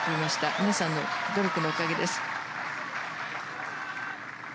皆さんの努力のおかげです。